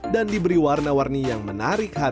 dan diberi warna warni yang menarik hati